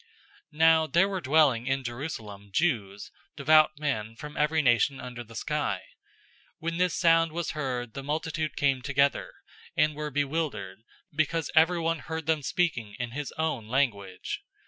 002:005 Now there were dwelling in Jerusalem Jews, devout men, from every nation under the sky. 002:006 When this sound was heard, the multitude came together, and were bewildered, because everyone heard them speaking in his own language.